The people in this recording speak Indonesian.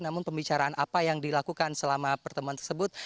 namun pembicaraan apa yang dilakukan selama pertemuan tersebut